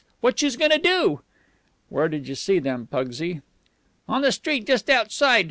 What youse goin' to do?" "Where did you see them, Pugsy?" "On the street just outside.